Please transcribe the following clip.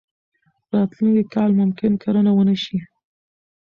راتلونکی کال ممکن کرنه ونه شي.